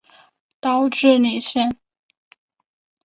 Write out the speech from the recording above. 岛智里线